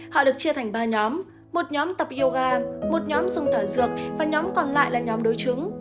họ được chia thành ba nhóm một nhóm tập yoga một nhóm dùng tở dược và nhóm còn lại là nhóm đối chứng